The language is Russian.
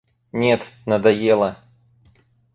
Нет, надоело.